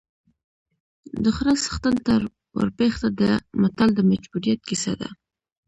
د خره څښتن ته ورپېښه ده متل د مجبوریت کیسه ده